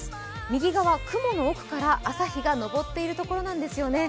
右側、雲の奥から朝日が昇っているところなんですね。